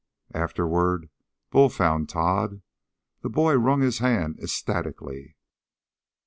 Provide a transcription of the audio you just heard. Afterward Bull found Tod. The boy wrung his hand ecstatically.